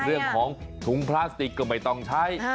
เรื่องของถุงพลาสติกก็ไม่ต้องใช้